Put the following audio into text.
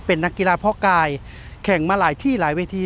เป็นนักกีฬาพ่อกายแข่งมาหลายที่หลายเวที